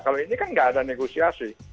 kalau ini kan nggak ada negosiasi